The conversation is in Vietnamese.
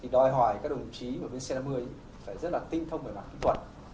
đòi hỏi các đồng chí ở bên c năm mươi phải rất là tinh thông về mặt kỹ thuật